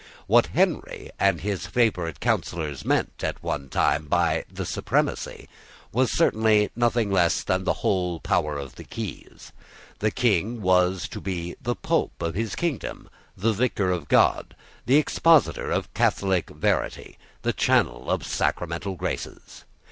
What Henry and his favourite counsellors meant, at one time, by the supremacy, was certainly nothing less than the whole power of the keys. The King was to be the Pope of his kingdom, the vicar of God, the expositor of Catholic verity, the channel of sacramental graces.